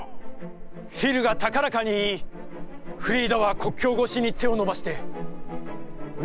フィルが高らかに言い、フリーダは国境ごしに手を伸ばして内